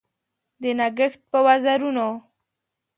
د نګهت په وزرونو